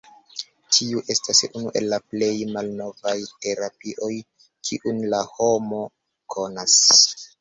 Tiu estas unu el la plej malnovaj terapioj, kiujn la homo konas.